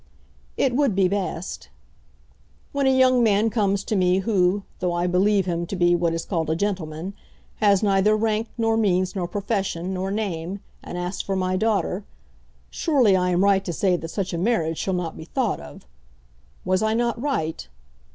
"It would be best." "When a young man comes to me who, though I believe him to be what is called a gentleman, has neither rank, nor means, nor profession, nor name, and asks for my daughter, surely I am right to say that such a marriage shall not be thought of. Was I not right?"